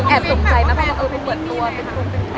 แอบต้มใจนะเพราะว่าไม่เหมือนตัว